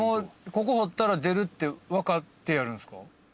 ここ掘ったら出るって分かってやるんすか？